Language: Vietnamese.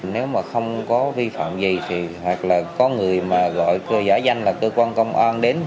nếu mà không có vi phạm gì thì hoặc là có người mà gọi giả danh là cơ quan công an đến